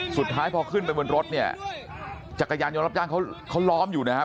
สุดท้ายพอขึ้นไปบนรถเนี่ยจักรยานยนต์รับจ้างเขาล้อมอยู่นะครับ